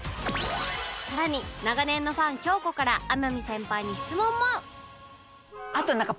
更に長年のファン京子から天海先輩に質問も